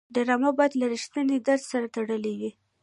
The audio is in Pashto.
ډرامه باید له رښتینې درد سره تړلې وي